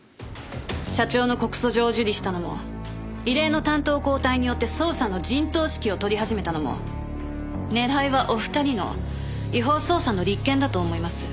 社長の告訴状を受理したのも異例の担当交代によって捜査の陣頭指揮を執り始めたのも狙いはお二人の違法捜査の立件だと思います。